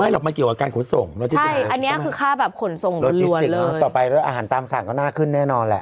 ไม่หรอกมันเกี่ยวกับการขนส่งใช่อันนี้คือค่าแบบขนส่งรวดเลยต่อไปอาหารตามสั่งก็น่าขึ้นแน่นอนแหละ